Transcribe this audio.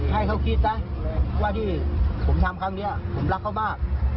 ให้เขาคิดซะว่าที่ผมทำครั้งนี้ผมรักเขามาก